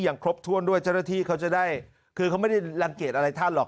ครบถ้วนด้วยเจ้าหน้าที่เขาจะได้คือเขาไม่ได้รังเกียจอะไรท่านหรอก